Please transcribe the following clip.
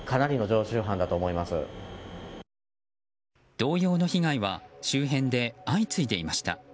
同様の被害は周辺で相次いでいました。